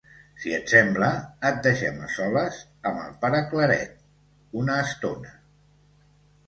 Si et sembla, et deixem a soles amb el pare Claret una estona.